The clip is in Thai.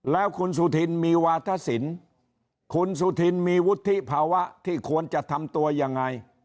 แล้วคุณสุธินมีวาทศิลป์คุณสุธินมีวุฒิภาวะที่ควรจะทำตัวยังไง